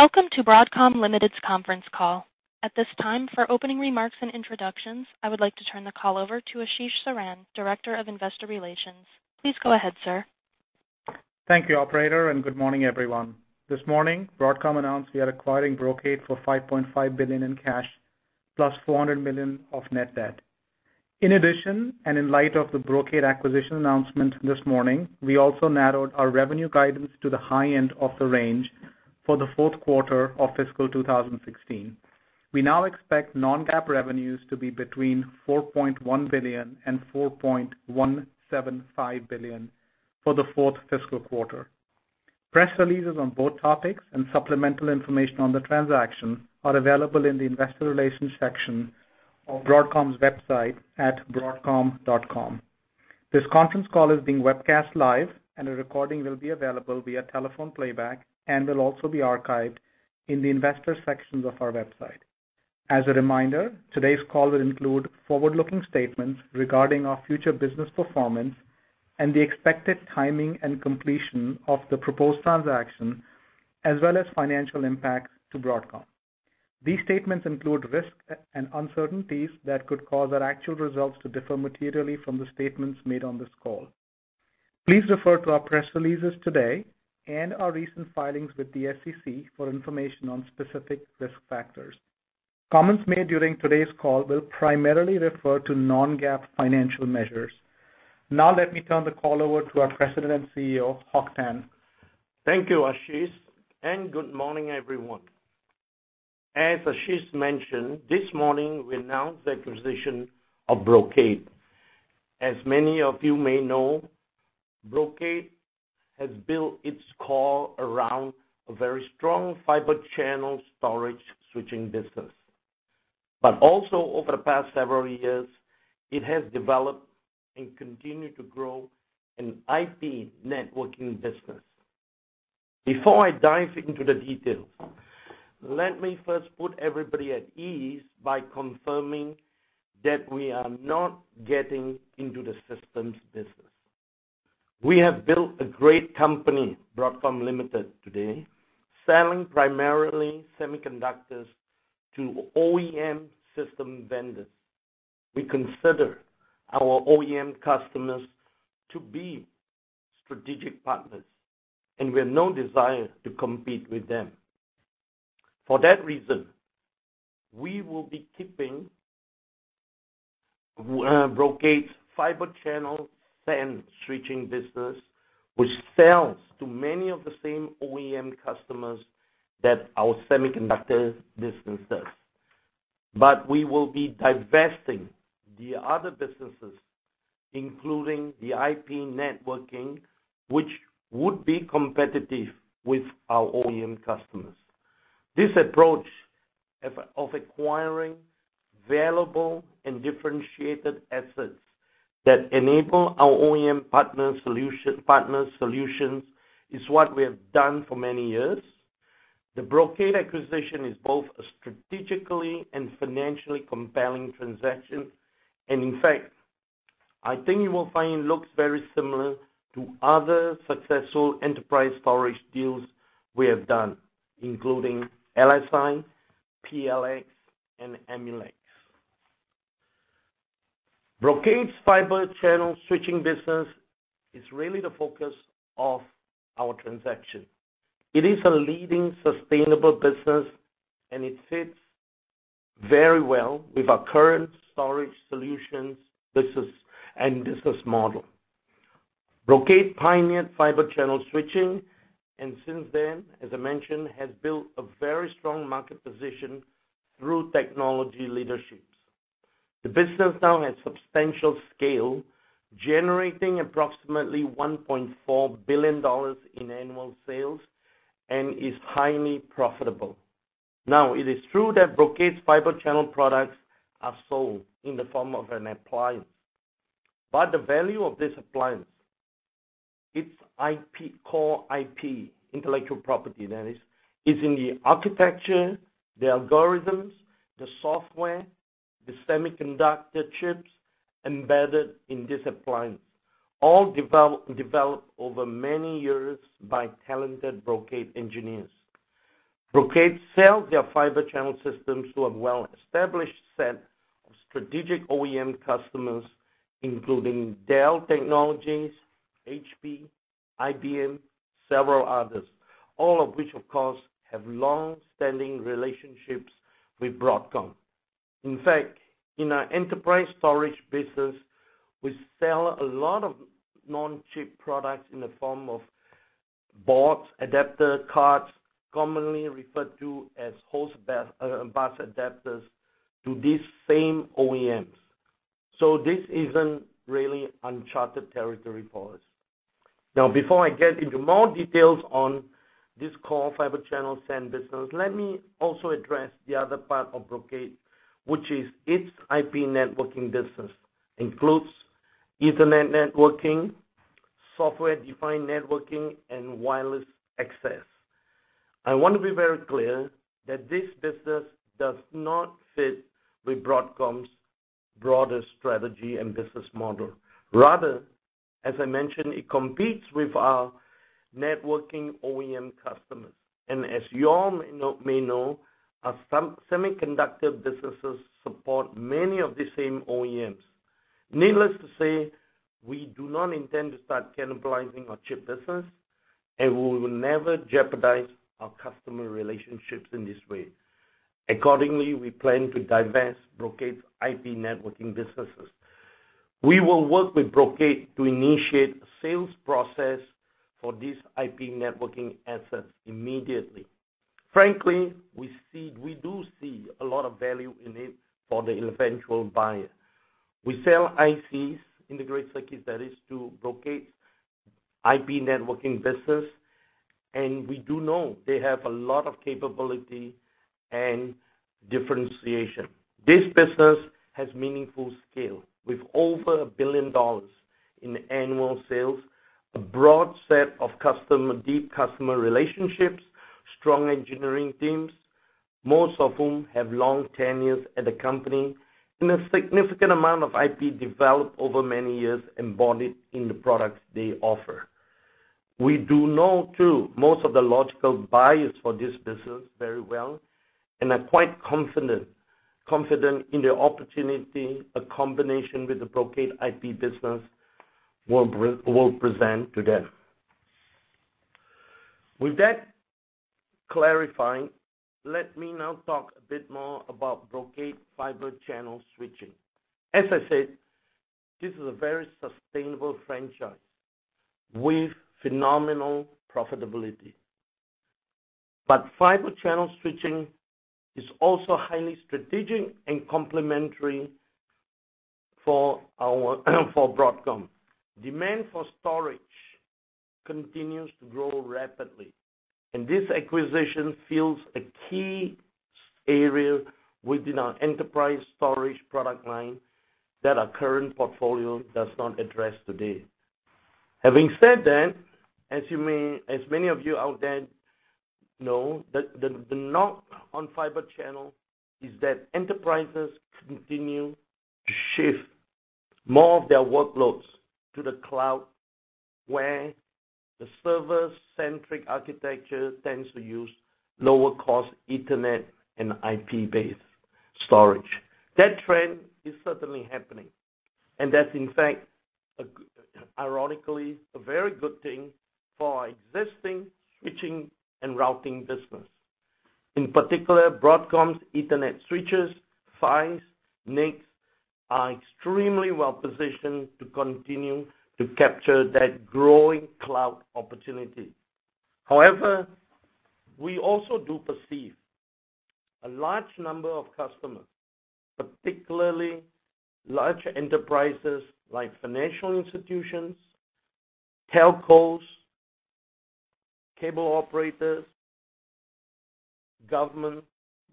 Welcome to Broadcom Limited's conference call. At this time, for opening remarks and introductions, I would like to turn the call over to Ashish Saran, Director of Investor Relations. Please go ahead, sir. Thank you, operator, good morning, everyone. This morning, Broadcom announced we are acquiring Brocade for $5.5 billion in cash, plus $400 million of net debt. In addition, in light of the Brocade acquisition announcement this morning, we also narrowed our revenue guidance to the high end of the range for the fourth quarter of fiscal 2016. We now expect non-GAAP revenues to be between $4.1 billion and $4.175 billion for the fourth fiscal quarter. Press releases on both topics and supplemental information on the transaction are available in the investor relations section of Broadcom's website at broadcom.com. This conference call is being webcast live and a recording will be available via telephone playback and will also be archived in the investor sections of our website. As a reminder, today's call will include forward-looking statements regarding our future business performance and the expected timing and completion of the proposed transaction, as well as financial impacts to Broadcom. These statements include risks and uncertainties that could cause our actual results to differ materially from the statements made on this call. Please refer to our press releases today and our recent filings with the SEC for information on specific risk factors. Comments made during today's call will primarily refer to non-GAAP financial measures. Now let me turn the call over to our President and CEO, Hock Tan. Thank you, Ashish, good morning, everyone. As Ashish mentioned, this morning we announced the acquisition of Brocade. As many of you may know, Brocade has built its core around a very strong Fibre Channel storage switching business. Also over the past several years, it has developed and continued to grow an IP networking business. Before I dive into the details, let me first put everybody at ease by confirming that we are not getting into the systems business. We have built a great company, Broadcom Limited, today, selling primarily semiconductors to OEM system vendors. We consider our OEM customers to be strategic partners, we have no desire to compete with them. For that reason, we will be keeping Brocade's Fibre Channel SAN switching business, which sells to many of the same OEM customers that our semiconductor business does. We will be divesting the other businesses, including the IP networking, which would be competitive with our OEM customers. This approach of acquiring valuable and differentiated assets that enable our OEM partners solutions is what we have done for many years. The Brocade acquisition is both a strategically and financially compelling transaction, and in fact, I think you will find looks very similar to other successful enterprise storage deals we have done, including LSI, PLX, and Emulex. Brocade's Fibre Channel switching business is really the focus of our transaction. It is a leading sustainable business, and it fits very well with our current storage solutions and business model. Brocade pioneered Fibre Channel switching and since then, as I mentioned, has built a very strong market position through technology leadership. The business now has substantial scale, generating approximately $1.4 billion in annual sales and is highly profitable. It is true that Brocade's Fibre Channel products are sold in the form of an appliance. The value of this appliance, its core IP, intellectual property that is in the architecture, the algorithms, the software, the semiconductor chips embedded in this appliance, all developed over many years by talented Brocade engineers. Brocade sells their Fibre Channel systems to a well-established set of strategic OEM customers, including Dell Technologies, HP, IBM, several others, all of which, of course, have long-standing relationships with Broadcom. In fact, in our enterprise storage business, we sell a lot of non-chip products in the form of boards, adapter cards, commonly referred to as host bus adapters, to these same OEMs. This isn't really uncharted territory for us. Before I get into more details on this core Fibre Channel SAN business, let me also address the other part of Brocade, which is its IP networking business, includes Ethernet networking, software-defined networking, and wireless access. I want to be very clear that this business does not fit with Broadcom's broader strategy and business model. Rather, as I mentioned, it competes with our networking OEM customers. As you all may know, our semiconductor businesses support many of the same OEMs. Needless to say, we do not intend to start cannibalizing our chip business, and we will never jeopardize our customer relationships in this way. Accordingly, we plan to divest Brocade's IP networking businesses. We will work with Brocade to initiate a sales process for these IP networking assets immediately. Frankly, we do see a lot of value in it for the eventual buyer. We sell ICs, integrated circuits that is, to Brocade's IP networking business, and we do know they have a lot of capability and differentiation. This business has meaningful scale. With over $1 billion in annual sales, a broad set of deep customer relationships, strong engineering teams, most of whom have long tenures at the company, and a significant amount of IP developed over many years embodied in the products they offer. We do know too, most of the logical buyers for this business very well and are quite confident in the opportunity a combination with the Brocade IP business will present to them. With that clarifying, let me now talk a bit more about Brocade Fibre Channel switching. As I said, this is a very sustainable franchise with phenomenal profitability. Fibre Channel switching is also highly strategic and complementary for Broadcom. Demand for storage continues to grow rapidly, this acquisition fills a key area within our enterprise storage product line that our current portfolio does not address today. Having said that, as many of you out there know, the knock on Fibre Channel is that enterprises continue to shift more of their workloads to the cloud, where the server-centric architecture tends to use lower cost Ethernet and IP-based storage. That trend is certainly happening, that's in fact, ironically, a very good thing for our existing switching and routing business. In particular, Broadcom's Ethernet switches, PHYs, NICs, are extremely well positioned to continue to capture that growing cloud opportunity. We also do perceive a large number of customers, particularly large enterprises like financial institutions, telcos, cable operators, government,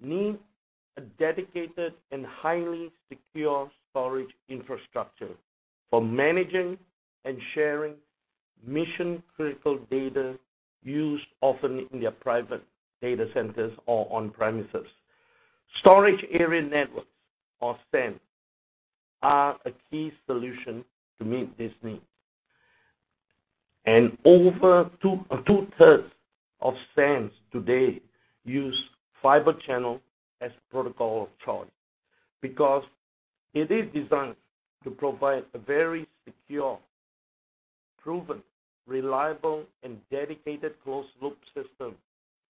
need a dedicated and highly secure storage infrastructure for managing and sharing mission-critical data used often in their private data centers or on premises. Storage area networks, or SANs, are a key solution to meet this need. Over two-thirds of SANs today use Fibre Channel as the protocol of choice because it is designed to provide a very secure, proven, reliable, and dedicated closed-loop system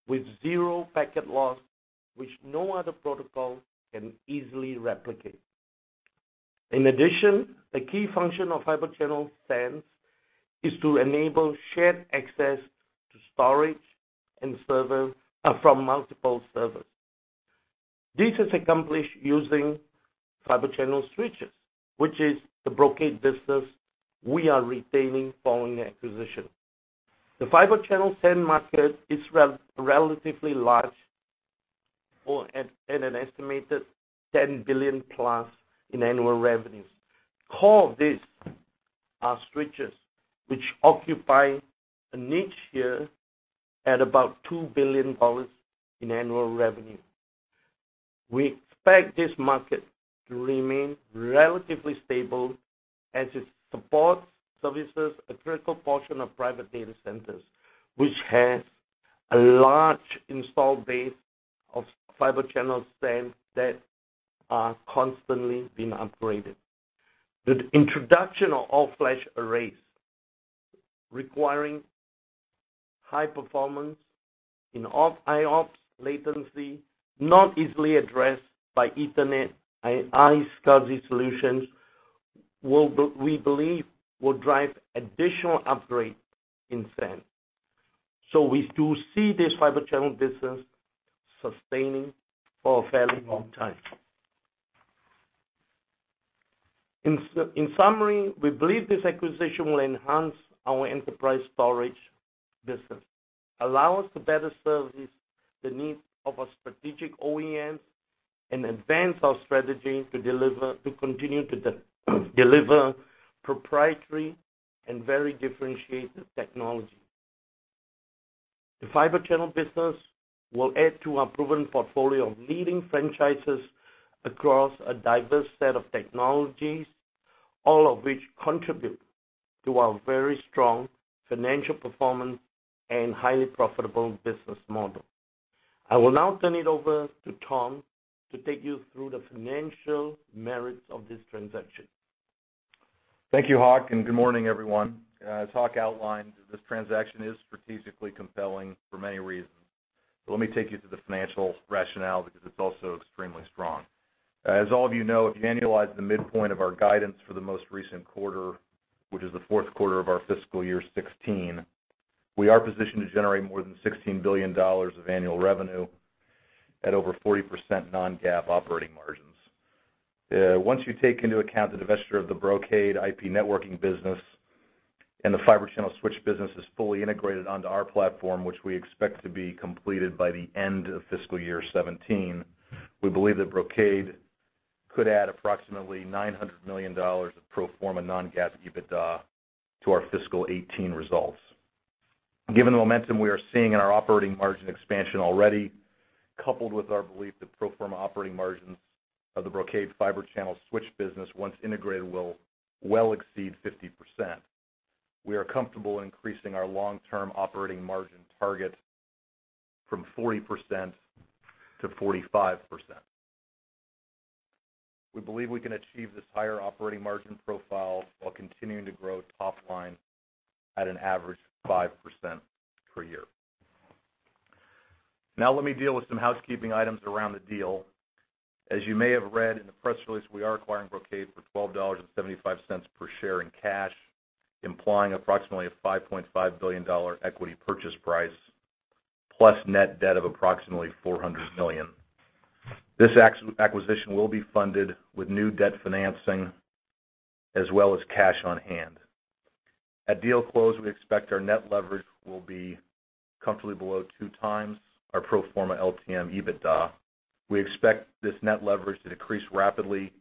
with zero packet loss, which no other protocol can easily replicate. In addition, a key function of Fibre Channel SANs is to enable shared access to storage from multiple servers. This is accomplished using Fibre Channel switches, which is the Brocade business we are retaining following the acquisition. The Fibre Channel SAN market is relatively large at an estimated $10 billion+ in annual revenues. Core of this are switches, which occupy a niche here at about $2 billion in annual revenue. We expect this market to remain relatively stable as it supports services, a critical portion of private data centers, which has a large installed base of Fibre Channel SANs that are constantly being upgraded. The introduction of all-flash arrays requiring high performance in IOPS latency, not easily addressed by Ethernet iSCSI solutions, we believe will drive additional upgrades in SAN. We do see this Fibre Channel business sustaining for a fairly long time. In summary, we believe this acquisition will enhance our enterprise storage business, allow us to better service the needs of our strategic OEMs, and advance our strategy to continue to deliver proprietary and very differentiated technology. The Fibre Channel business will add to our proven portfolio of leading franchises across a diverse set of technologies, all of which contribute to our very strong financial performance and highly profitable business model. I will now turn it over to Tom to take you through the financial merits of this transaction. Thank you, Hock, and good morning, everyone. As Hock outlined, this transaction is strategically compelling for many reasons. Let me take you to the financial rationale because it's also extremely strong. As all of you know, if you annualize the midpoint of our guidance for the most recent quarter, which is the fourth quarter of our fiscal year 2016, we are positioned to generate more than $16 billion of annual revenue at over 40% non-GAAP operating margins. Once you take into account the divesture of the Brocade IP networking business and the Fibre Channel switch business is fully integrated onto our platform, which we expect to be completed by the end of fiscal year 2017, we believe that Brocade could add approximately $900 million of pro forma non-GAAP EBITDA to our fiscal 2018 results. Given the momentum we are seeing in our operating margin expansion already, coupled with our belief that pro forma operating margins of the Brocade Fibre Channel switch business, once integrated, will well exceed 50%, we are comfortable in increasing our long-term operating margin target from 40%-45%. We believe we can achieve this higher operating margin profile while continuing to grow top line at an average of 5% per year. Let me deal with some housekeeping items around the deal. As you may have read in the press release, we are acquiring Brocade for $12.75 per share in cash, implying approximately a $5.5 billion equity purchase price, plus net debt of approximately $400 million. This acquisition will be funded with new debt financing as well as cash on hand. At deal close, we expect our net leverage will be comfortably below 2 times our pro forma LTM EBITDA. We expect this net leverage to decrease rapidly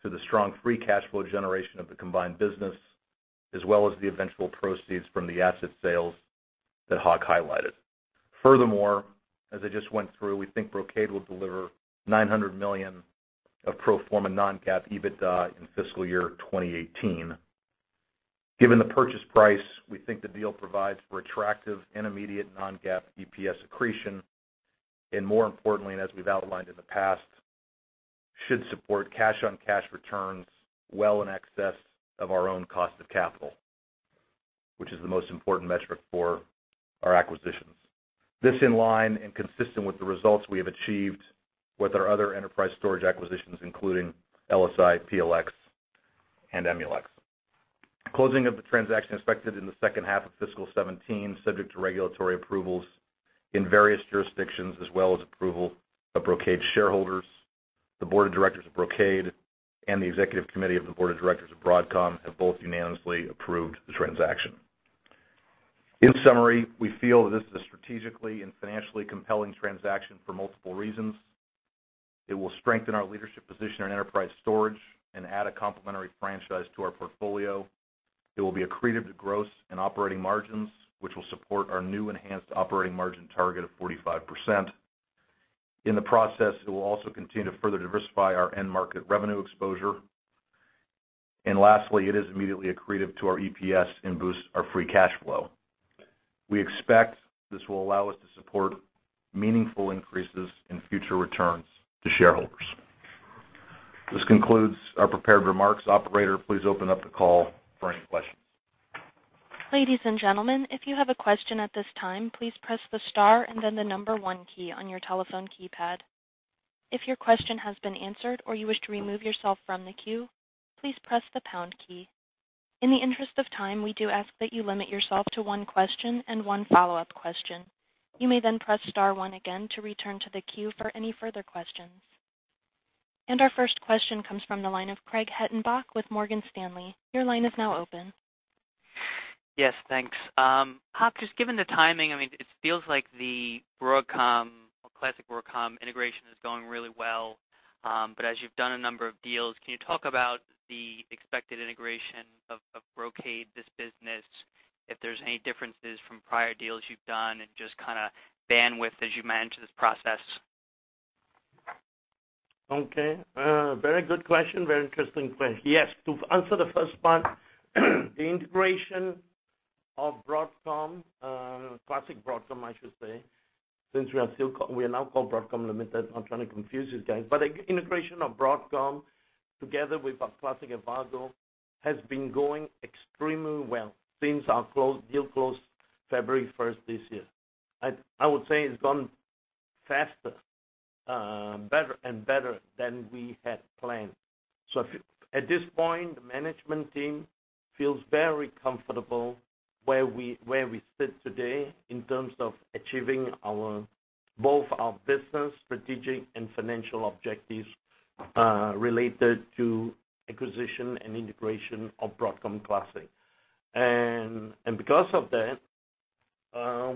through the strong free cash flow generation of the combined business, as well as the eventual proceeds from the asset sales that Hock highlighted. Furthermore, as I just went through, we think Brocade will deliver $900 million of pro forma non-GAAP EBITDA in fiscal year 2018. Given the purchase price, we think the deal provides for attractive and immediate non-GAAP EPS accretion. More importantly, as we've outlined in the past, should support cash-on-cash returns well in excess of our own cost of capital, which is the most important metric for our acquisitions. This in line and consistent with the results we have achieved with our other enterprise storage acquisitions, including LSI, PLX, and Emulex. Closing of the transaction is expected in the second half of fiscal 2017, subject to regulatory approvals in various jurisdictions as well as approval of Brocade shareholders. The board of directors of Brocade and the executive committee of the board of directors of Broadcom have both unanimously approved the transaction. In summary, we feel that this is a strategically and financially compelling transaction for multiple reasons. It will strengthen our leadership position in enterprise storage and add a complementary franchise to our portfolio. It will be accretive to gross and operating margins, which will support our new enhanced operating margin target of 45%. In the process, it will also continue to further diversify our end market revenue exposure. Lastly, it is immediately accretive to our EPS and boosts our free cash flow. We expect this will allow us to support meaningful increases in future returns to shareholders. This concludes our prepared remarks. Operator, please open up the call for any questions. Ladies and gentlemen, if you have a question at this time, please press the star and then the number one key on your telephone keypad. If your question has been answered or you wish to remove yourself from the queue, please press the pound key. In the interest of time, we do ask that you limit yourself to one question and one follow-up question. You may then press star one again to return to the queue for any further questions. Our first question comes from the line of Craig Hettenbach with Morgan Stanley. Your line is now open. Yes, thanks. Hock, just given the timing, it feels like the classic Broadcom integration is going really well. As you've done a number of deals, can you talk about the expected integration of Brocade, this business, if there's any differences from prior deals you've done, and just bandwidth as you manage this process? Okay. Very good question. Very interesting question. Yes, to answer the first part, the integration of Broadcom, classic Broadcom, I should say, since we are now called Broadcom Limited. I'm not trying to confuse you guys, but the integration of Broadcom together with our classic Avago has been going extremely well since our deal closed February 1st this year. I would say it's gone faster and better than we had planned. At this point, the management team feels very comfortable where we sit today in terms of achieving both our business, strategic, and financial objectives related to acquisition and integration of Broadcom classic. Because of that,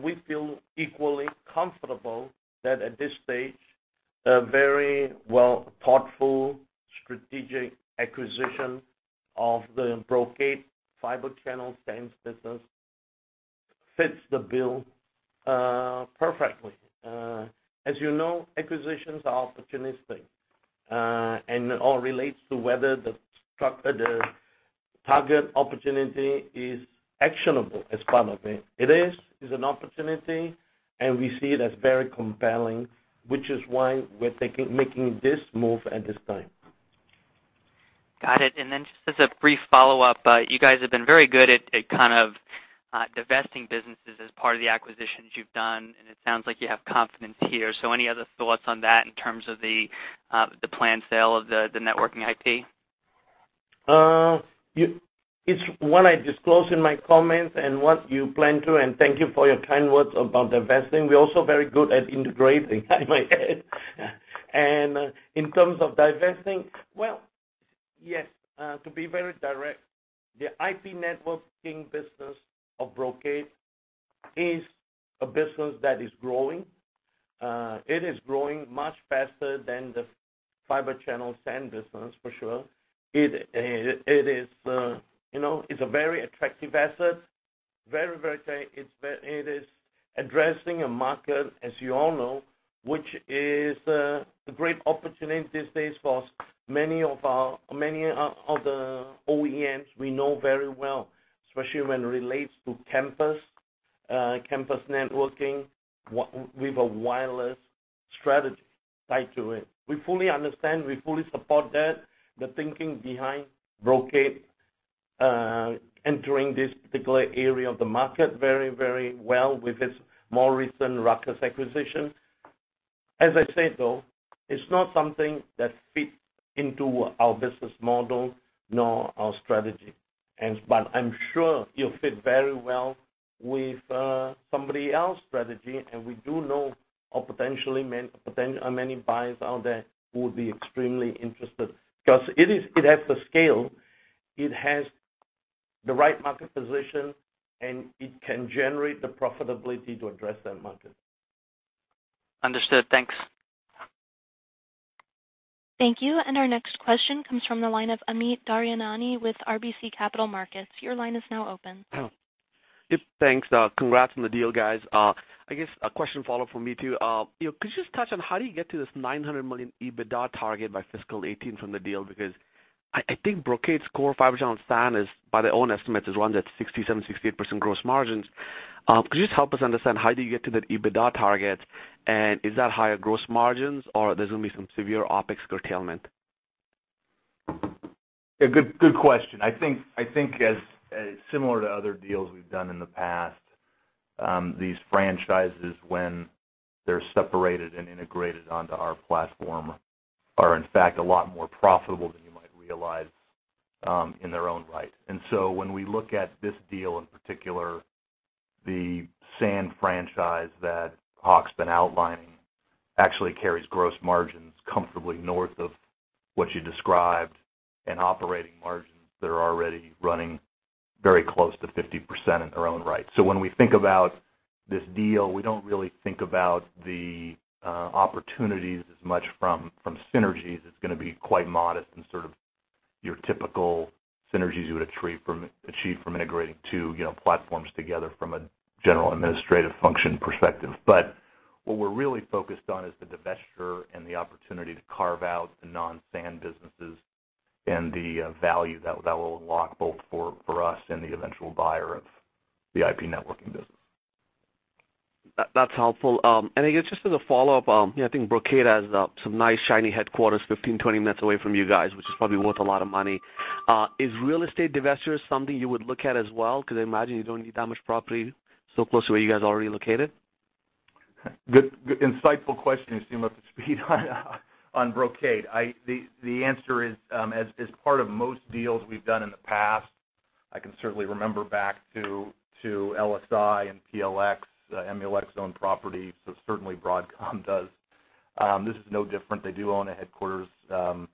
we feel equally comfortable that at this stage A very well thoughtful strategic acquisition of the Brocade Fibre Channel SAN business fits the bill perfectly. As you know, acquisitions are opportunistic. It all relates to whether the target opportunity is actionable as part of it. It is, it's an opportunity, we see it as very compelling, which is why we're making this move at this time. Got it. Just as a brief follow-up, you guys have been very good at divesting businesses as part of the acquisitions you've done. It sounds like you have confidence here. Any other thoughts on that in terms of the planned sale of the networking IP? It's what I disclosed in my comments and what you plan to. Thank you for your kind words about divesting. We're also very good at integrating, in my head. In terms of divesting, well, yes. To be very direct, the IP networking business of Brocade is a business that is growing. It is growing much faster than the Fibre Channel SAN business, for sure. It's a very attractive asset. It is addressing a market, as you all know, which is a great opportunity these days for many of the OEMs we know very well, especially when it relates to campus networking with a wireless strategy tied to it. We fully understand, we fully support that, the thinking behind Brocade entering this particular area of the market very well with its more recent Ruckus acquisition. As I said, though, it's not something that fits into our business model nor our strategy. I'm sure it'll fit very well with somebody else's strategy. We do know of potentially many buyers out there who would be extremely interested, because it has the scale, it has the right market position, and it can generate the profitability to address that market. Understood. Thanks. Thank you. Our next question comes from the line of Amit Daryanani with RBC Capital Markets. Your line is now open. Yep, thanks. Congrats on the deal, guys. I guess a question follow-up from me too. Could you just touch on how do you get to this $900 million EBITDA target by fiscal 2018 from the deal? Because I think Brocade's core Fibre Channel SAN is, by their own estimates, runs at 67%-68% gross margins. Could you just help us understand how do you get to that EBITDA target? Is that higher gross margins, or there's going to be some severe OpEx curtailment? A good question. I think as similar to other deals we've done in the past, these franchises, when they're separated and integrated onto our platform, are in fact a lot more profitable than you might realize in their own right. When we look at this deal in particular, the SAN franchise that Hock's been outlining actually carries gross margins comfortably north of what you described, and operating margins that are already running very close to 50% in their own right. When we think about this deal, we don't really think about the opportunities as much from synergies. It's going to be quite modest and sort of your typical synergies you would achieve from integrating two platforms together from a general administrative function perspective. What we're really focused on is the divestiture and the opportunity to carve out the non-SAN businesses and the value that that will unlock both for us and the eventual buyer of the IP networking business. That's helpful. I guess just as a follow-up, I think Brocade has some nice shiny headquarters 15, 20 minutes away from you guys, which is probably worth a lot of money. Is real estate divestiture something you would look at as well? Because I imagine you don't need that much property so close to where you guys are already located. Good, insightful question. You seem up to speed on Brocade. The answer is, as part of most deals we've done in the past, I can certainly remember back to LSI and PLX, Emulex owned property, so certainly Broadcom does. This is no different. They do own a headquarters up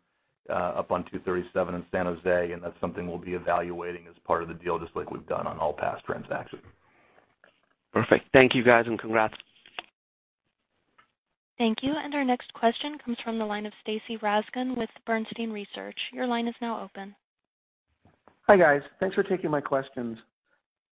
on 237 in San Jose, and that's something we'll be evaluating as part of the deal, just like we've done on all past transactions. Perfect. Thank you, guys, and congrats. Thank you. Our next question comes from the line of Stacy Rasgon with Bernstein Research. Your line is now open. Hi, guys. Thanks for taking my questions.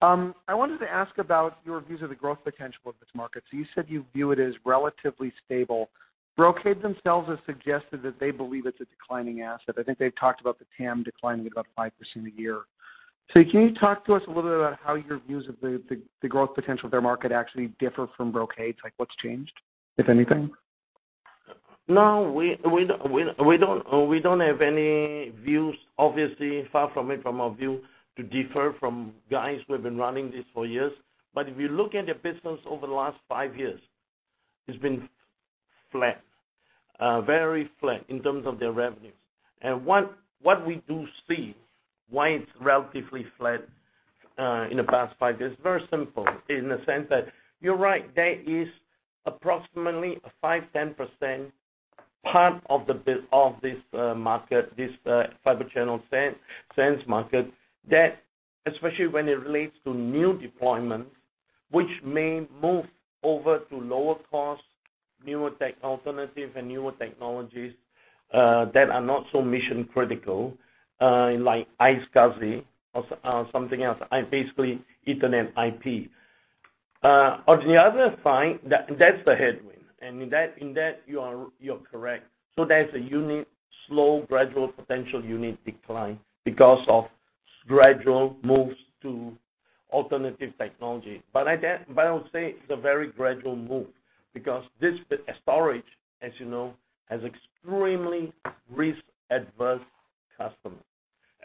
I wanted to ask about your views of the growth potential of this market. You said you view it as relatively stable. Brocade themselves have suggested that they believe it's a declining asset. I think they've talked about the TAM declining at about 5% a year. Can you talk to us a little bit about how your views of the growth potential of their market actually differ from Brocade's? What's changed, if anything? No, we don't have any views, obviously, far from it, from our view to differ from guys who have been running this for years. If you look at their business over the last five years, it's been flat, very flat in terms of their revenues. What we do see, why it's relatively flat in the past five years, very simple in the sense that you're right, there is approximately a 5%, 10% part of this market, this Fibre Channel SANs market, that especially when it relates to new deployments which may move over to lower cost, newer tech alternative, and newer technologies that are not so mission-critical, like iSCSI or something else, basically Ethernet IP. On the other side, that's the headwind, and in that you are correct. That's a slow, gradual potential unit decline because of gradual moves to alternative technology. I would say it's a very gradual move because storage, as you know, has extremely risk-averse customers,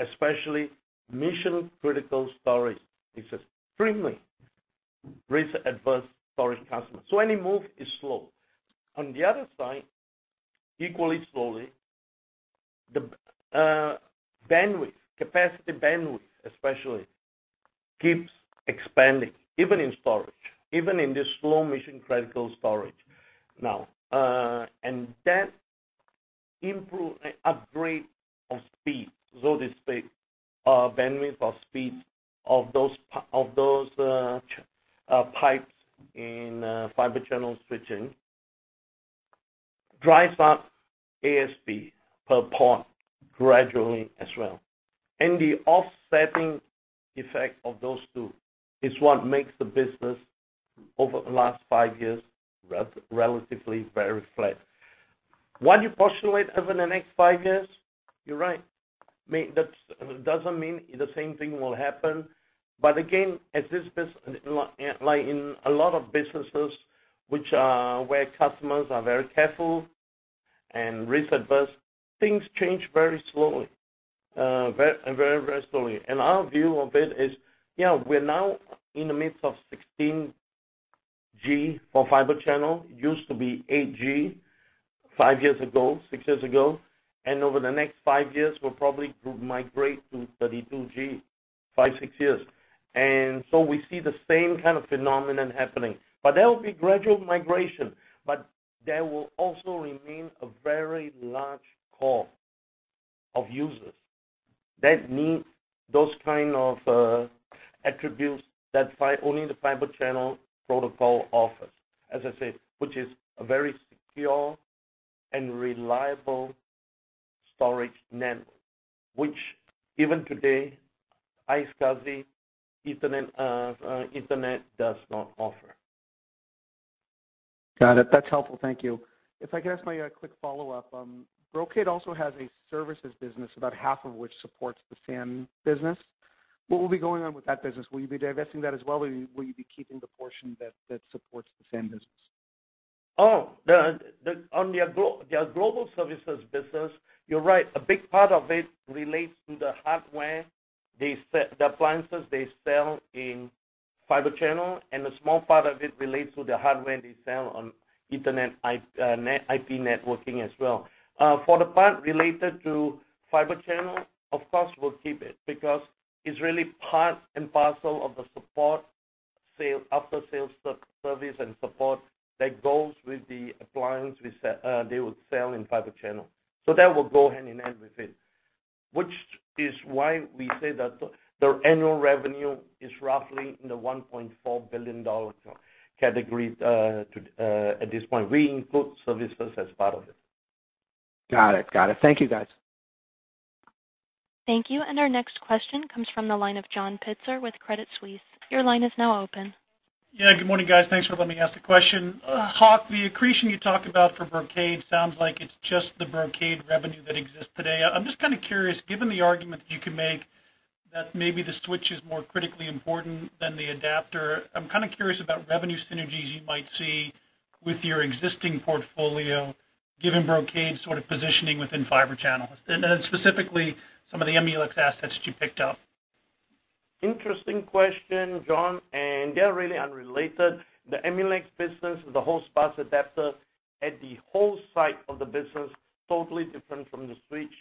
especially mission-critical storage is extremely risk-averse storage customers, so any move is slow. On the other side, equally slowly, the bandwidth, capacity bandwidth especially, keeps expanding, even in storage, even in the slow mission-critical storage. Now, that improve, upgrade of speed, so to speak, of bandwidth of speed of those pipes in Fibre Channel switching, drives up ASP per port gradually as well. The offsetting effect of those two is what makes the business over the last five years, relatively very flat. What you postulate over the next five years, you're right. That doesn't mean the same thing will happen. Again, like in a lot of businesses, where customers are very careful and risk-averse, things change very slowly. Our view of it is, yeah, we're now in the midst of 16G for Fibre Channel, used to be 8G five years ago, six years ago. Over the next five years, we'll probably migrate to 32G, five, six years. We see the same kind of phenomenon happening. There will be gradual migration, but there will also remain a very large core of users that need those kind of attributes that only the Fibre Channel protocol offers, as I said, which is a very secure and reliable storage network, which even today, iSCSI, Ethernet does not offer. Got it. That's helpful. Thank you. If I could ask my quick follow-up. Brocade also has a services business, about half of which supports the SAN business. What will be going on with that business? Will you be divesting that as well, or will you be keeping the portion that supports the SAN business? On their global services business, you're right. A big part of it relates to the hardware, the appliances they sell in Fibre Channel, and a small part of it relates to the hardware they sell on Ethernet IP networking as well. For the part related to Fibre Channel, of course, we'll keep it, because it's really part and parcel of the support, after sales service and support that goes with the appliance they would sell in Fibre Channel. That will go hand in hand with it, which is why we say that their annual revenue is roughly in the $1.4 billion category at this point. We include services as part of it. Got it. Thank you, guys. Thank you. Our next question comes from the line of John Pitzer with Credit Suisse. Your line is now open. Yeah. Good morning, guys. Thanks for letting me ask a question. Hock, the accretion you talked about for Brocade sounds like it's just the Brocade revenue that exists today. I'm just curious, given the argument that you can make that maybe the switch is more critically important than the adapter, I'm curious about revenue synergies you might see with your existing portfolio, given Brocade's positioning within Fibre Channel. Then specifically, some of the Emulex assets that you picked up. Interesting question, John, they're really unrelated. The Emulex business, the host bus adapter at the host site of the business, totally different from the switch.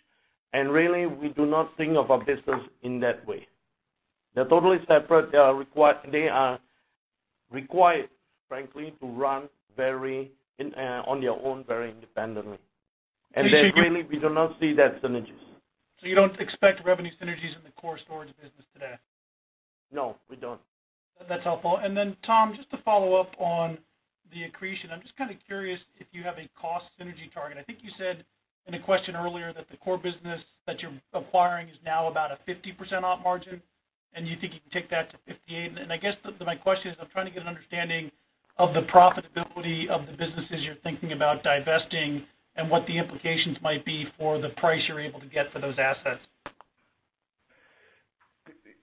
Really, we do not think of our business in that way. They're totally separate. They are required, frankly, to run on their own very independently. Then really, we do not see that synergies. You don't expect revenue synergies in the core storage business today? No, we don't. That's helpful. Tom, just to follow up on the accretion, I'm just curious if you have a cost synergy target. I think you said in a question earlier that the core business that you're acquiring is now about a 50% op margin, and you think you can take that to 58%. I guess my question is, I'm trying to get an understanding of the profitability of the businesses you're thinking about divesting and what the implications might be for the price you're able to get for those assets.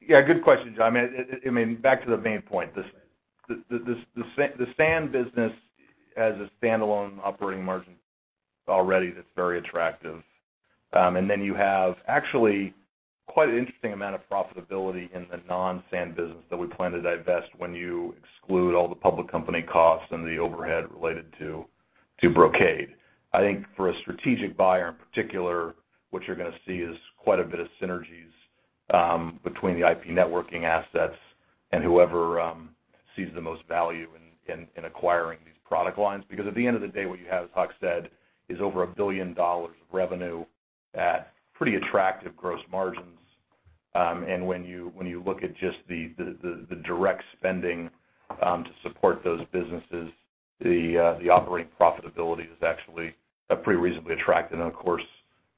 Good question, John. Back to the main point. The SAN business has a standalone operating margin already that's very attractive. You have actually quite an interesting amount of profitability in the non-SAN business that we plan to divest when you exclude all the public company costs and the overhead related to Brocade. I think for a strategic buyer in particular, what you're going to see is quite a bit of synergies between the IP networking assets and whoever sees the most value in acquiring these product lines. Because at the end of the day, what you have, as Hock said, is over $1 billion of revenue at pretty attractive gross margins. When you look at just the direct spending to support those businesses, the operating profitability is actually pretty reasonably attractive. Of course,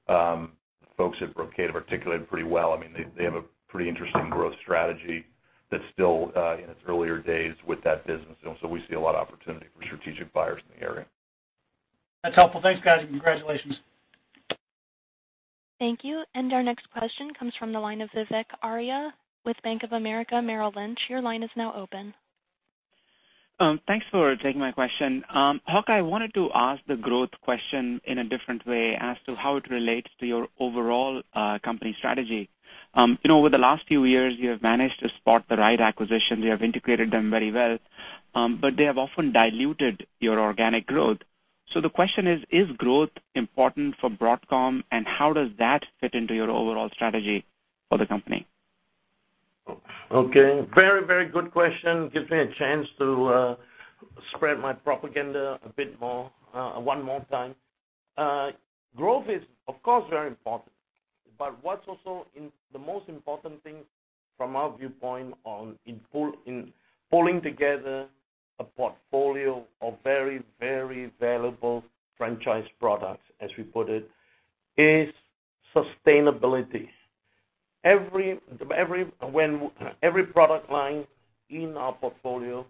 folks at Brocade have articulated pretty well. They have a pretty interesting growth strategy that's still in its earlier days with that business. We see a lot of opportunity for strategic buyers in the area. That's helpful. Thanks, guys. Congratulations. Thank you. Our next question comes from the line of Vivek Arya with Bank of America Merrill Lynch. Your line is now open. Thanks for taking my question. Hock, I wanted to ask the growth question in a different way as to how it relates to your overall company strategy. Over the last few years, you have managed to spot the right acquisitions. You have integrated them very well. They have often diluted your organic growth. The question is growth important for Broadcom, and how does that fit into your overall strategy for the company? Okay. Very good question. Gives me a chance to spread my propaganda a bit more one more time. Growth is, of course, very important, what's also the most important thing from our viewpoint in pulling together a portfolio of very valuable franchise products, as we put it, is sustainability. Every product line in our portfolio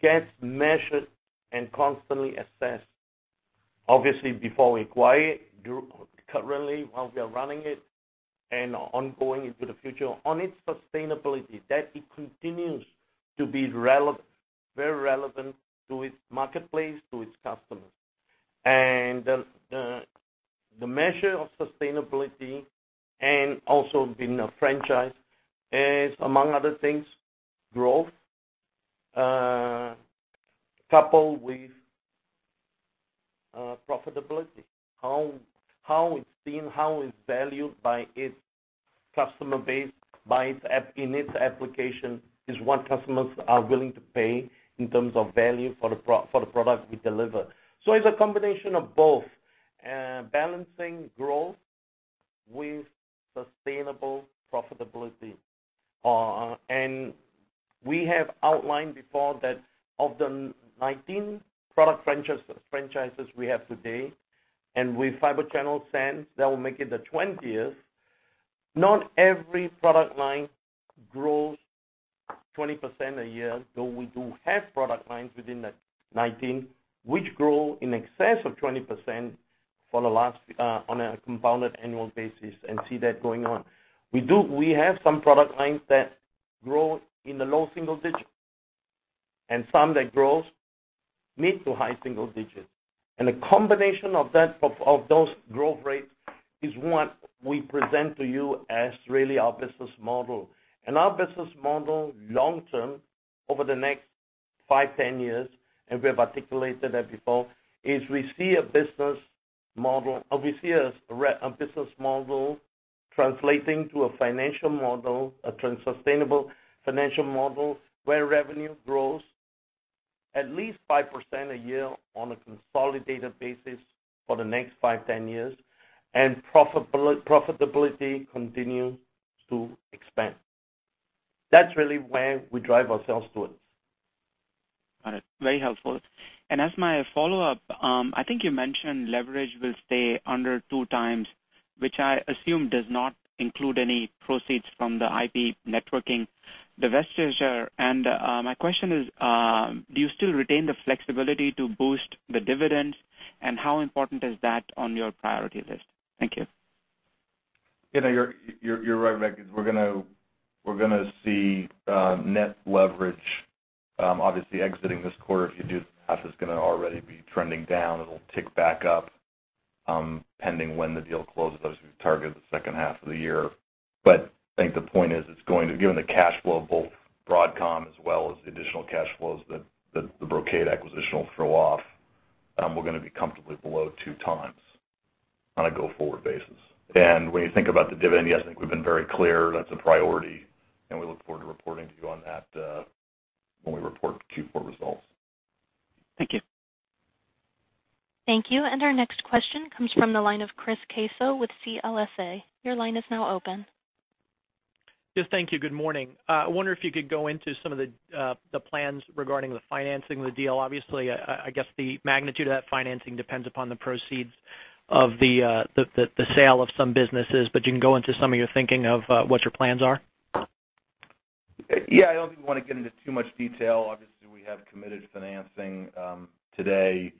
gets measured and constantly assessed, obviously, before we acquire it, currently while we are running it, and ongoing into the future on its sustainability, that it continues to be very relevant to its marketplace, to its customers. The measure of sustainability and also being a franchise is, among other things, growth, coupled with profitability. How it's seen, how it's valued by its customer base in its application is what customers are willing to pay in terms of value for the product we deliver. It's a combination of both, balancing growth with sustainable profitability. We have outlined before that of the 19 product franchises we have today, and with Fibre Channel SAN, that will make it the 20th. Not every product line grows 20% a year, though we do have product lines within the 19 which grow in excess of 20% on a compounded annual basis and see that going on. We have some product lines that grow in the low single digits and some that grow mid to high single digits. A combination of those growth rates is what we present to you as really our business model. Our business model long term over the next five, 10 years, and we have articulated that before, is we see a business model translating to a financial model, a sustainable financial model where revenue grows at least 5% a year on a consolidated basis for the next five, 10 years, and profitability continues to expand. That's really where we drive ourselves towards. Got it. Very helpful. As my follow-up, I think you mentioned leverage will stay under two times, which I assume does not include any proceeds from the IP networking divestiture. My question is, do you still retain the flexibility to boost the dividends, and how important is that on your priority list? Thank you. You're right, Vivek, we're going to see net leverage obviously exiting this quarter. If you do the math, it's going to already be trending down. It'll tick back up pending when the deal closes. Obviously, we've targeted the second half of the year. I think the point is given the cash flow, both Broadcom as well as the additional cash flows that the Brocade acquisition will throw off, we're going to be comfortably below two times on a go-forward basis. When you think about the dividend, yes, I think we've been very clear that's a priority, and we look forward to reporting to you on that when we report Q4 results. Thank you. Thank you. Our next question comes from the line of Chris Caso with CLSA. Your line is now open. Yes. Thank you. Good morning. I wonder if you could go into some of the plans regarding the financing of the deal. Obviously, I guess the magnitude of that financing depends upon the proceeds of the sale of some businesses. You can go into some of your thinking of what your plans are? Yeah. I don't think we want to get into too much detail. Obviously, we have committed financing today.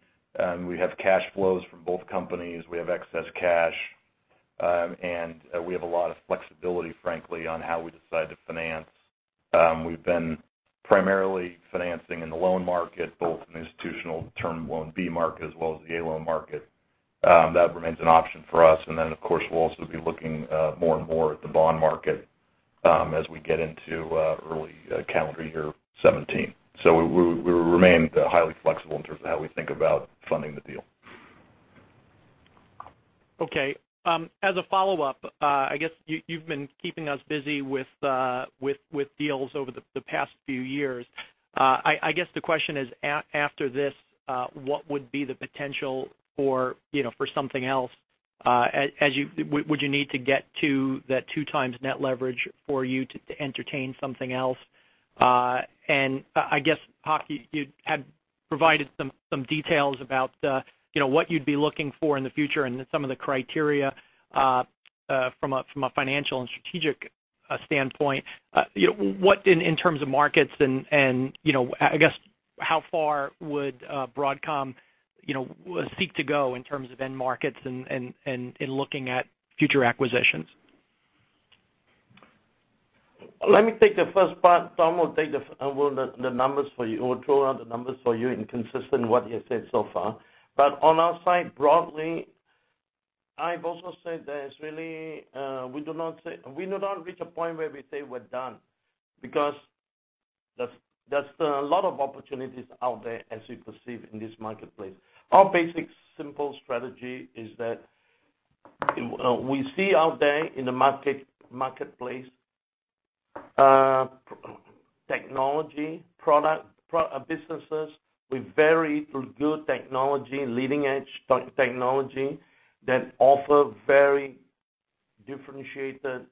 We have cash flows from both companies. We have excess cash. We have a lot of flexibility, frankly, on how we decide to finance. We've been primarily financing in the loan market, both in the institutional Term Loan B market as well as the A Loan market. That remains an option for us. Then, of course, we'll also be looking more and more at the bond market as we get into early calendar year 2017. We remain highly flexible in terms of how we think about funding the deal. Okay. As a follow-up, I guess you've been keeping us busy with deals over the past few years. I guess the question is, after this, what would be the potential for something else? As you would need to get to that 2 times net leverage for you to entertain something else. I guess, Hock, you had provided some details about what you'd be looking for in the future and some of the criteria from a financial and strategic standpoint. What in terms of markets and I guess how far would Broadcom seek to go in terms of end markets and in looking at future acquisitions? Let me take the first part. Tom will throw out the numbers for you and consistent what he has said so far. On our side, broadly, I've also said that we do not reach a point where we say we're done, because there's a lot of opportunities out there as we perceive in this marketplace. Our basic simple strategy is that we see out there in the marketplace, technology product businesses with very good technology, leading edge technology that offer very differentiated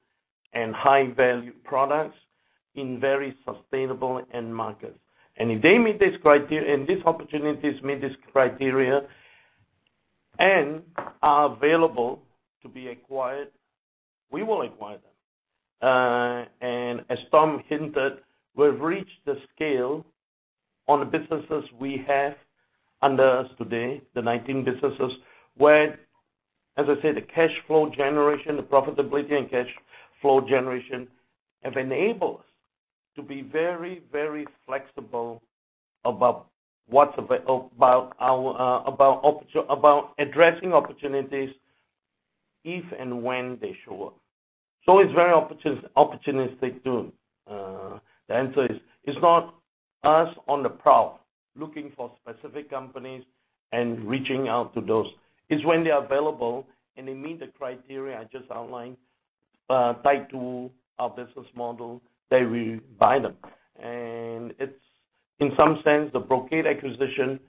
and high-value products in very sustainable end markets. If these opportunities meet this criteria and are available to be acquired, we will acquire them. As Tom hinted, we've reached the scale on the businesses we have under us today, the 19 businesses, where, as I said, the profitability and cash flow generation have enabled us to be very flexible about addressing opportunities if and when they show up. It's very opportunistic too. The answer is it's not us on the prowl looking for specific companies and reaching out to those. It's when they're available and they meet the criteria I just outlined, tied to our business model, then we buy them. It's in some sense, the Brocade acquisition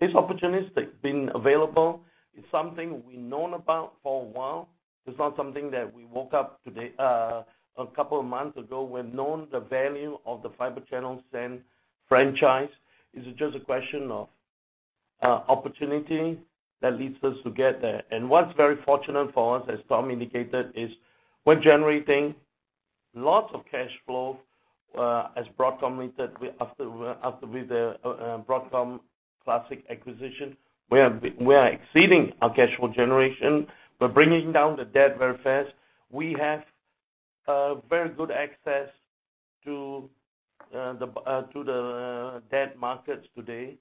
is opportunistic, been available. It's something we've known about for a while. It's not something that we woke up to a couple of months ago. We've known the value of the Fibre Channel SAN franchise. It's just a question of opportunity that leads us to get there. What's very fortunate for us, as Tom indicated, is we're generating lots of cash flow, as Broadcom with the Broadcom Classic acquisition, we are exceeding our cash flow generation. We're bringing down the debt very fast. We have very good access to the debt markets today.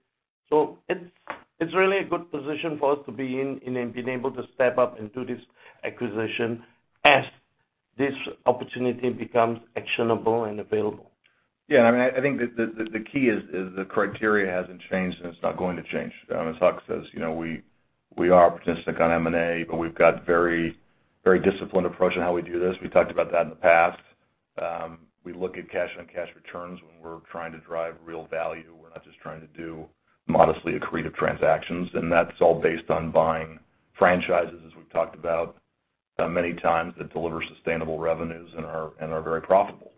It's really a good position for us to be in, and being able to step up and do this acquisition as this opportunity becomes actionable and available. Yeah, I think the key is the criteria hasn't changed, and it's not going to change. As Hock says, we are participant on M&A, but we've got very disciplined approach on how we do this. We talked about that in the past. We look at cash on cash returns when we're trying to drive real value. We're not just trying to do modestly accretive transactions, and that's all based on buying franchises, as we've talked about many times, that deliver sustainable revenues and are very profitable.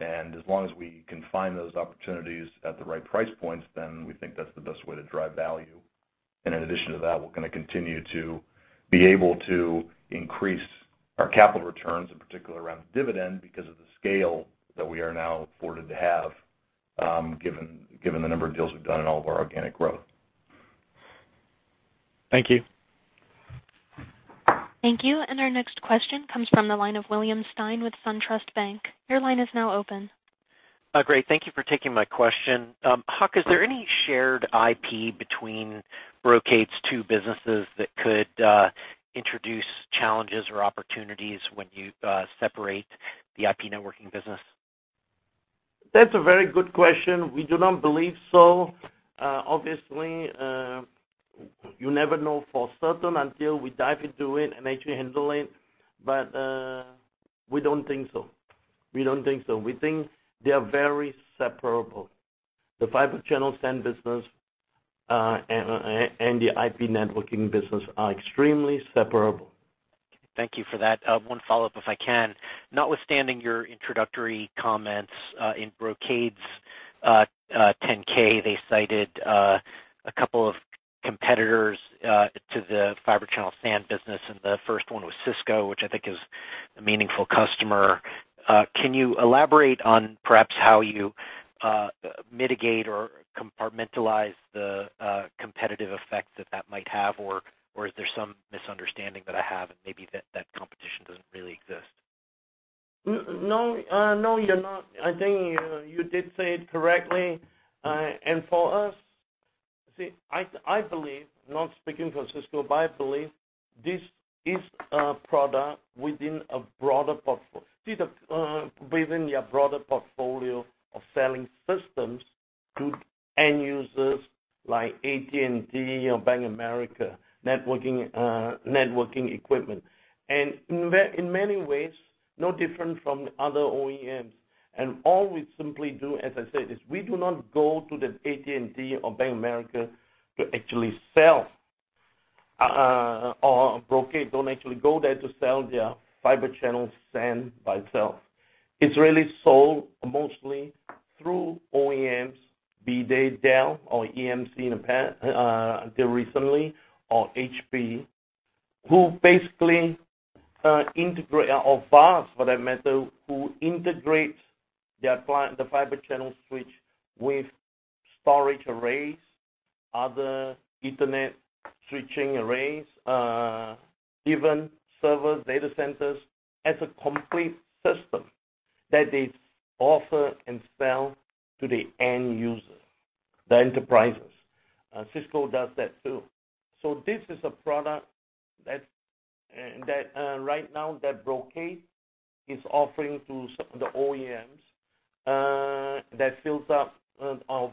As long as we can find those opportunities at the right price points, then we think that's the best way to drive value. In addition to that, we're going to continue to be able to increase our capital returns, in particular around the dividend, because of the scale that we are now afforded to have, given the number of deals we've done and all of our organic growth. Thank you. Thank you. Our next question comes from the line of William Stein with SunTrust Robinson Humphrey. Your line is now open. Great. Thank you for taking my question. Hock, is there any shared IP between Brocade's two businesses that could introduce challenges or opportunities when you separate the IP networking business? That's a very good question. We do not believe so. Obviously, you never know for certain until we dive into it and actually handle it. We don't think so. We think they are very separable. The Fibre Channel SAN business, and the IP networking business are extremely separable. Thank you for that. One follow-up, if I can. Notwithstanding your introductory comments, in Brocade's 10-K, they cited a couple of competitors to the Fibre Channel SAN business. The first one was Cisco, which I think is a meaningful customer. Can you elaborate on perhaps how you mitigate or compartmentalize the competitive effect that that might have? Is there some misunderstanding that I have and maybe that competition doesn't really exist? No, you're not. I think you did say it correctly. For us, see, I believe, not speaking for Cisco, but I believe this is a product within their broader portfolio of selling systems to end users like AT&T or Bank of America networking equipment. In many ways, no different from other OEMs. All we simply do, as I said, is we do not go to the AT&T or Bank of America to actually sell. Brocade don't actually go there to sell their Fibre Channel SAN by itself. It's really sold mostly through OEMs, be they Dell or EMC until recently, or HP, or VARs for that matter, who integrate the Fibre Channel switch with storage arrays, other internet switching arrays, even server data centers as a complete system that they offer and sell to the end user, the enterprises. Cisco does that, too. This is a product that right now that Brocade is offering to the OEMs, or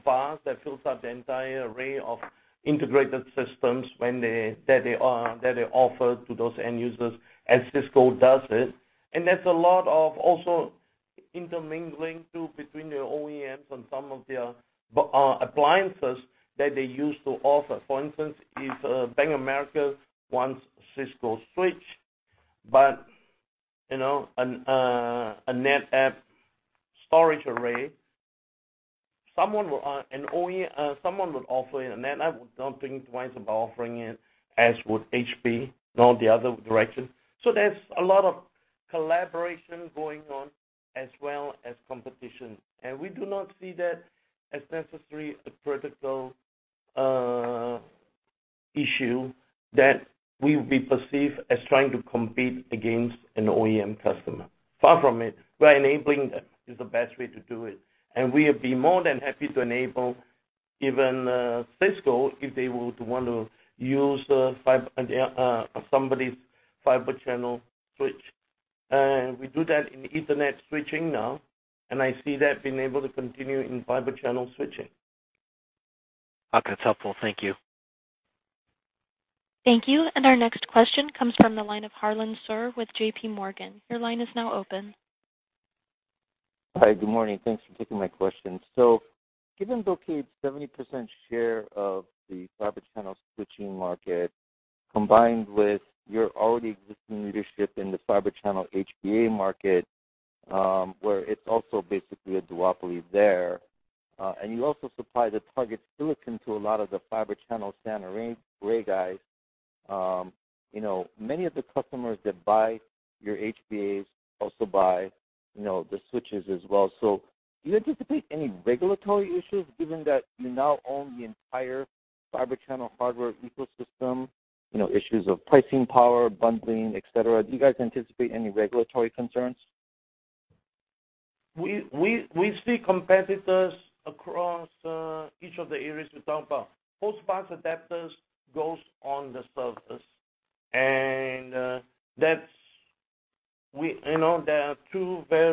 VARs, that fills up the entire array of integrated systems that they offer to those end users as Cisco does it. There's a lot of also intermingling, too, between the OEMs and some of their appliances that they used to offer. For instance, if Bank of America wants Cisco switch, but a NetApp storage array, someone would offer it, and NetApp would not think twice about offering it, as would HP, and all the other directions. There's a lot of collaboration going on as well as competition, and we do not see that as necessarily a critical issue that we would be perceived as trying to compete against an OEM customer. Far from it. We're enabling them is the best way to do it. We would be more than happy to enable even Cisco if they would want to use somebody's Fibre Channel switch. We do that in Ethernet switching now, and I see that being able to continue in Fibre Channel switching. Okay, that's helpful. Thank you. Thank you. Our next question comes from the line of Harlan Sur with J.P. Morgan. Your line is now open. Hi, good morning. Thanks for taking my question. Given Brocade's 70% share of the Fibre Channel switching market, combined with your already existing leadership in the Fibre Channel HBA market, where it's also basically a duopoly there, and you also supply the target silicon to a lot of the Fibre Channel SAN array guys. Many of the customers that buy your HBAs also buy the switches as well. Do you anticipate any regulatory issues given that you now own the entire Fibre Channel hardware ecosystem, issues of pricing, power, bundling, et cetera? Do you guys anticipate any regulatory concerns? We see competitors across each of the areas we talk about. Host bus adapters goes on the surface. There are two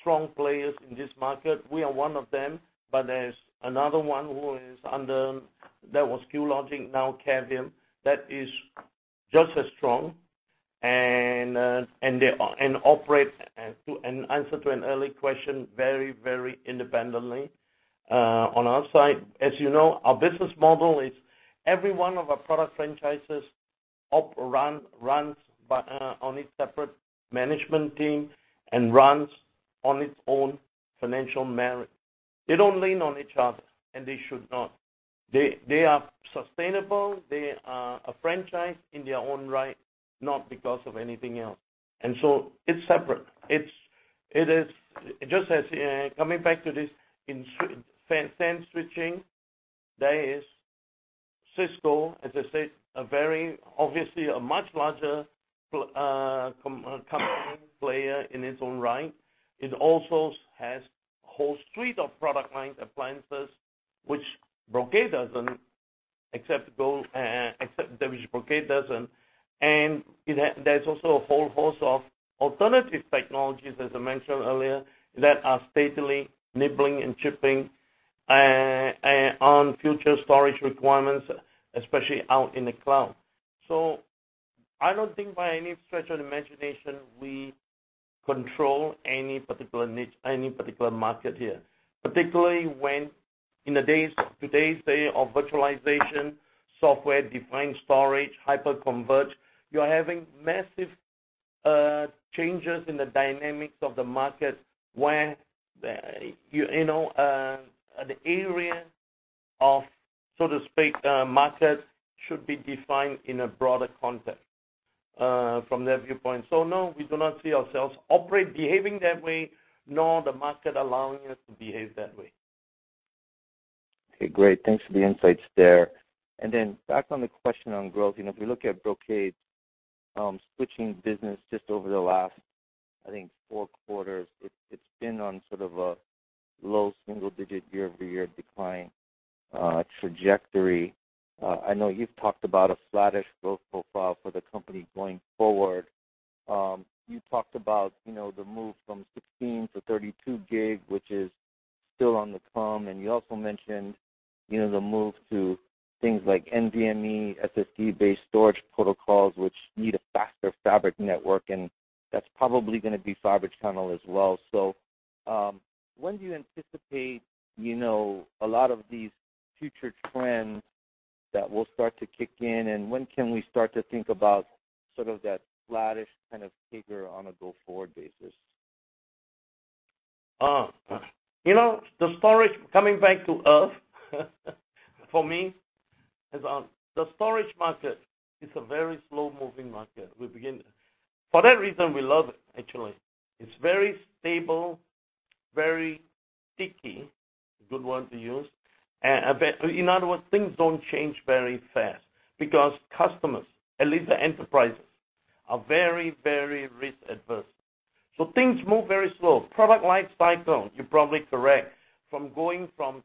strong players in this market. We are one of them, but there's another one that was QLogic, now Cavium, that is just as strong and operate, and answer to an early question, very independently. On our side, as you know, our business model is every one of our product franchises runs on its separate management team and runs on its own financial merit. They don't lean on each other, and they should not. They are sustainable. They are a franchise in their own right, not because of anything else. It's separate. Coming back to this SAN switching, there is Cisco, as I said, obviously a much larger company player in its own right. It also has a whole suite of product line appliances which Brocade doesn't, except those which Brocade doesn't. There's also a whole host of alternative technologies, as I mentioned earlier, that are steadily nibbling and chipping on future storage requirements, especially out in the cloud. I don't think by any stretch of imagination we control any particular niche, any particular market here, particularly when in today's day of virtualization, software-defined storage, hyper-converge, you are having massive changes in the dynamics of the market where the area of so to speak markets should be defined in a broader context from that viewpoint. No, we do not see ourselves operate behaving that way, nor the market allowing us to behave that way. Okay, great. Thanks for the insights there. Back on the question on growth, if we look at Brocade's switching business just over the last, I think, four quarters, it's been on sort of a low single digit year-over-year decline trajectory. I know you've talked about a flattish growth profile for the company going forward. You talked about the move from 16G to 32G, which is Still on the come, and you also mentioned the move to things like NVMe, SSD-based storage protocols, which need a faster fabric network, and that's probably going to be Fibre Channel as well. When do you anticipate a lot of these future trends that will start to kick in, and when can we start to think about sort of that flattish kind of figure on a go-forward basis? The storage, coming back to Earth for me, the storage market is a very slow-moving market. For that reason, we love it, actually. It's very stable, very sticky, a good one to use. In other words, things don't change very fast because customers, at least the enterprises, are very risk-averse. Things move very slow. Product life cycle, you're probably correct, from going from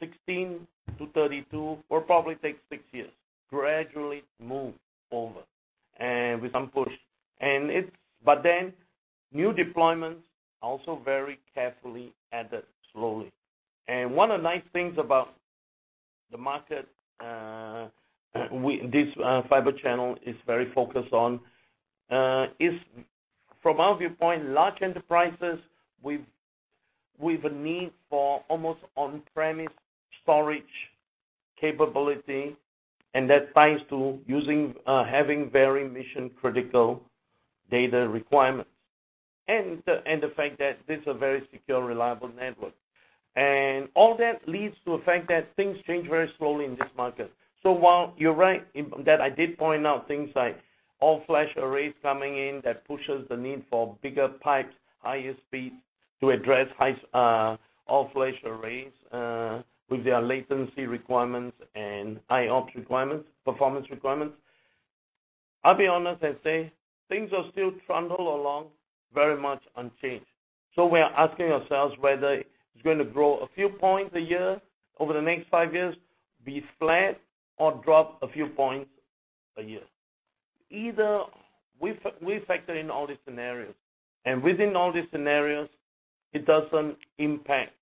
16 to 32, will probably take 6 years, gradually move over, with some push. New deployments also very carefully added slowly. One of the nice things about the market, this Fibre Channel is very focused on, is from our viewpoint, large enterprises with a need for almost on-premise storage capability, that ties to using, having very mission-critical data requirements, and the fact that this is a very secure, reliable network. All that leads to the fact that things change very slowly in this market. While you're right, that I did point out things like all-flash arrays coming in, that pushes the need for bigger pipes, higher speeds to address all-flash arrays, with their latency requirements and IOPS requirements, performance requirements. I'll be honest and say things are still trundling along very much unchanged. We are asking ourselves whether it's going to grow a few points a year over the next 5 years, be flat, or drop a few points a year. Either, we factor in all the scenarios, and within all these scenarios, it doesn't impact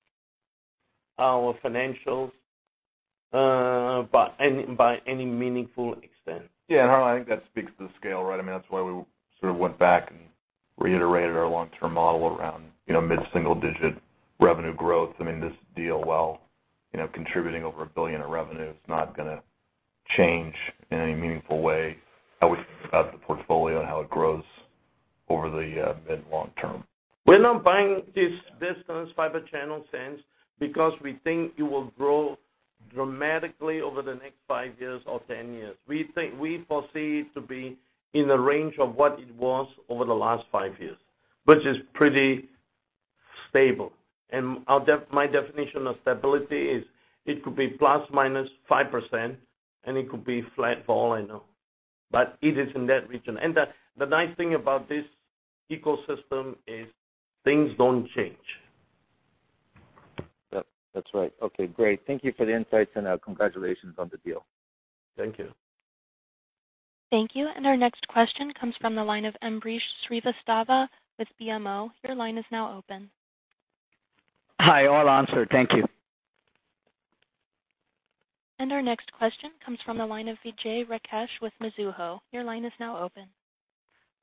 our financials by any meaningful extent. Yeah. Harlan, I think that speaks to the scale, right? That's why we sort of went back and reiterated our long-term model around mid-single-digit revenue growth. This deal, while contributing over $1 billion in revenue, is not going to change in any meaningful way how we think about the portfolio and how it grows over the mid-long term. We're not buying this distance Fibre Channel SAN because we think it will grow dramatically over the next 5 years or 10 years. We foresee it to be in the range of what it was over the last 5 years, which is pretty stable. My definition of stability is it could be ±5%, and it could be flat for all I know, but it is in that region. The nice thing about this ecosystem is things don't change. Yep. That's right. Okay, great. Thank you for the insights, and congratulations on the deal. Thank you. Thank you. Our next question comes from the line of Ambrish Srivastava with BMO. Your line is now open. Hi, all answered. Thank you. Our next question comes from the line of Vijay Rakesh with Mizuho. Your line is now open.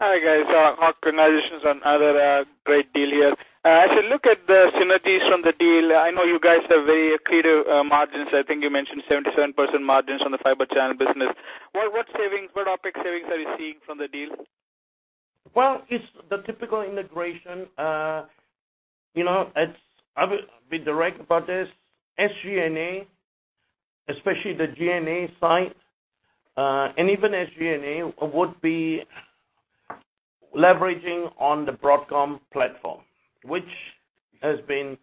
Hi, guys. Hock, congratulations on another great deal here. As I look at the synergies from the deal, I know you guys have very accretive margins. I think you mentioned 77% margins on the Fibre Channel business. What OpEx savings are you seeing from the deal? Well, it's the typical integration. I'll be direct about this. SG&A, especially the G&A side, and even SG&A, would be leveraging on the Broadcom platform, which has been,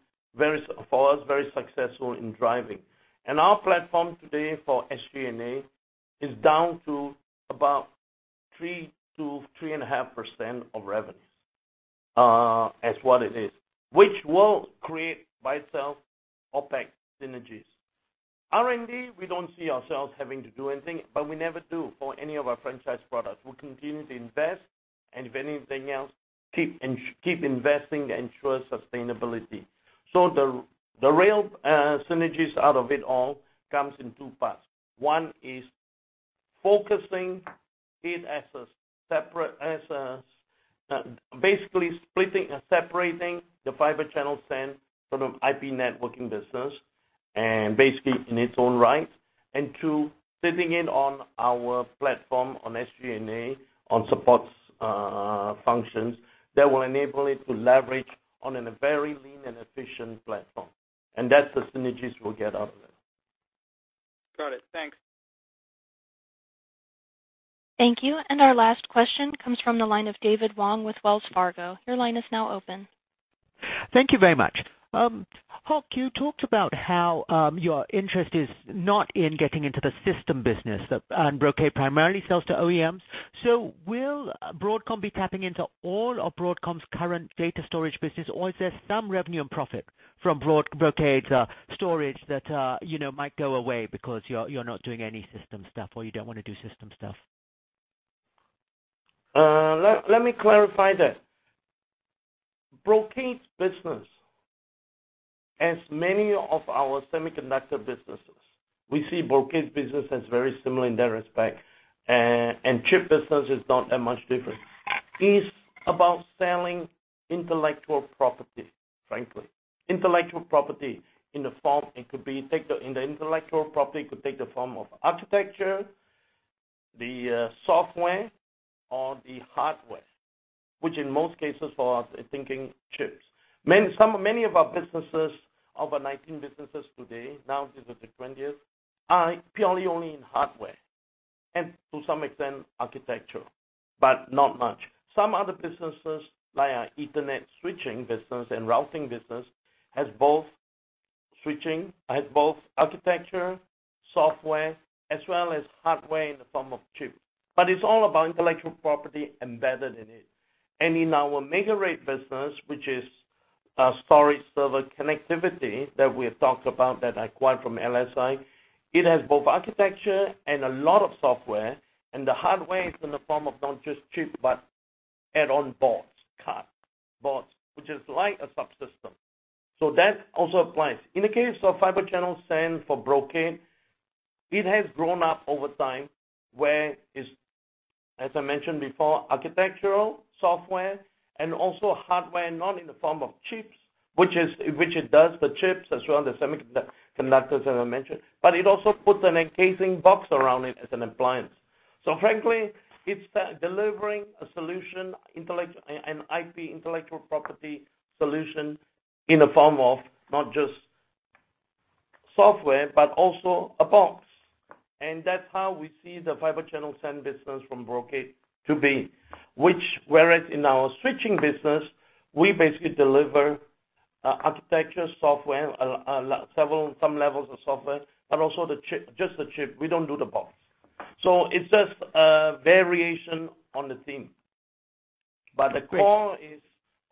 for us, very successful in driving. Our platform today for SG&A is down to about 3% to 3.5% of revenues as what it is, which will create by itself OpEx synergies. R&D, we don't see ourselves having to do anything, but we never do for any of our franchise products. We continue to invest, and if anything else, keep investing to ensure sustainability. The real synergies out of it all comes in two parts. One is focusing it as a separate, splitting and separating the Fibre Channel stand from IP networking business, and basically in its own right. Two, sitting in on our platform on SG&A, on support functions that will enable it to leverage on a very lean and efficient platform. That's the synergies we'll get out of it. Got it. Thanks. Thank you. Our last question comes from the line of David Wong with Wells Fargo. Your line is now open. Thank you very much. Hock, you talked about how your interest is not in getting into the system business, Brocade primarily sells to OEMs. Will Broadcom be tapping into all of Broadcom's current data storage business, or is there some revenue and profit from Brocade's storage that might go away because you're not doing any system stuff or you don't want to do system stuff? Let me clarify that. Brocade's business, as many of our semiconductor businesses, we see Brocade's business as very similar in that respect, chip business is not that much different, is about selling intellectual property, frankly. Intellectual property, the intellectual property could take the form of architecture, the software, or the hardware, which in most cases for us, thinking chips. Many of our businesses, of our 19 businesses today, now this is the 20th, are purely only in hardware, and to some extent, architecture, but not much. Some other businesses, like our Ethernet switching business and routing business, has both architecture, software, as well as hardware in the form of chip. It's all about intellectual property embedded in it. In our MegaRAID business, which is a storage server connectivity that we have talked about that acquired from LSI, it has both architecture and a lot of software, and the hardware is in the form of not just chip, but add-on boards, card, boards, which is like a subsystem. That also applies. In the case of Fibre Channel SAN for Brocade, it has grown up over time where it's, as I mentioned before, architectural, software, and also hardware, not in the form of chips, which it does the chips as well, the semiconductors that I mentioned, but it also puts an encasing box around it as an appliance. Frankly, it's delivering a solution, an IP, intellectual property solution in the form of not just software, but also a box. That's how we see the Fibre Channel SAN business from Brocade to be, which whereas in our switching business, we basically deliver architecture, software, some levels of software, but also just the chip. We don't do the box. It's just a variation on the theme. Great. The core is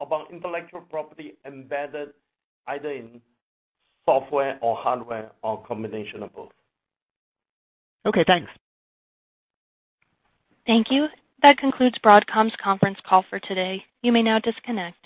about intellectual property embedded either in software or hardware or combination of both. Okay, thanks. Thank you. That concludes Broadcom's conference call for today. You may now disconnect.